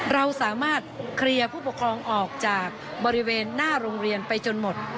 เราสามารถเคลียร์ผู้ปกครองออกจากบริเวณหน้าโรงเรียนไปจนหมด